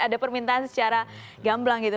ada permintaan secara gamblang gitu